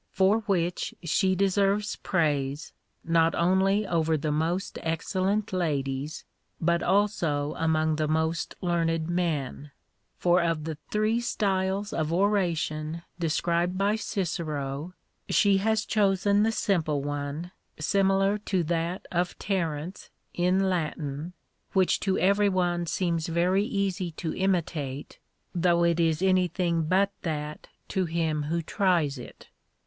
For which she deserves praise, not only over the most excellent ladies, but also among the most learned men; for of the three styles of oration described by Cicero, she has chosen the simple one, similar to that of Terence in Latin, which to every one seems very easy to imitate, though it is anything but that to him who tries it.